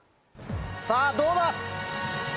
さぁどうだ？